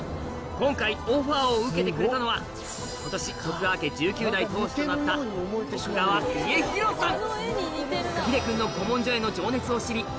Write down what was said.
今回オファーを受けてくれたのは今年徳川家１９代当主となった徳川家広さん